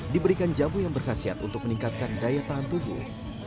diberikan jamu yang berkhasiat untuk meningkatkan daya tahan tubuh